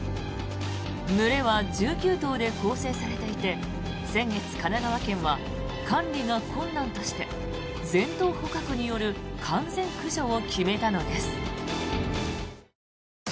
群れは１９頭で構成されていて先月、神奈川県は管理が困難として全頭捕獲による完全駆除を決めたのです。